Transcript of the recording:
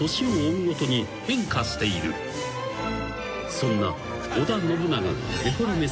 ［そんな］